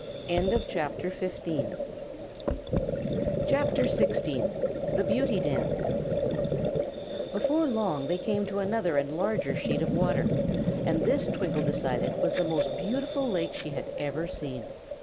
[CHAPTER XVI] The Beauty Dance Before long they came to another and larger sheet of water, and this Twinkle decided was the most beautiful lake she had ever seen.